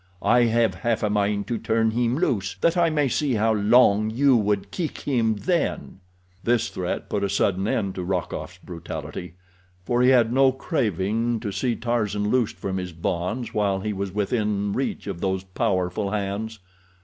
I have half a mind to turn him loose, that I may see how long you would kick him then." This threat put a sudden end to Rokoff's brutality, for he had no craving to see Tarzan loosed from his bonds while he was within reach of those powerful hands.